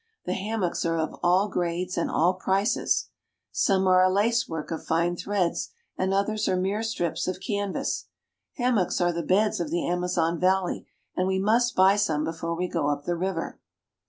The hammocks are of all grades and all prices. Some are a " How big the shops are !' lacework of fine threads, and others are mere strips of can vas. Hammocks are the beds of the Amazon valley, and we must buy some before we. go up the river.